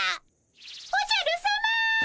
おじゃるさま。